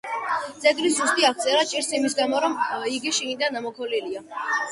ძეგლის ზუსტი აღწერა ჭირს იმის გამო, რომ იგი შიგნიდან ამოქოლილია.